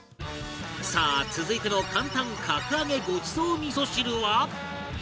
さあ続いての簡単格上げごちそう味噌汁は？